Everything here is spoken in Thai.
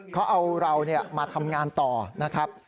เขาเอาเรามาทำงานต่อนะครับ